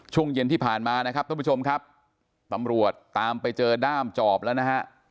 ช่วงเย็นที่ผ่านมานะครับท่านผู้ชมครับตำรวจตามไปเจอด้ามจอบแล้วนะฮะ